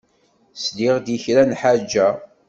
Sliɣ-d i kra n lḥaǧa.